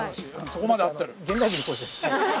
そこまで合ってる。